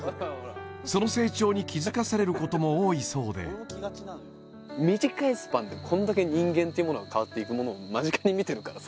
その成長に気づかされることも多いそうで短いスパンでこんだけ人間ってものが変わっていくものを間近に見てるからさ